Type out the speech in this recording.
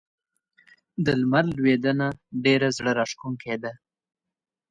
د لمر لوېدنه ډېره زړه راښکونکې ده.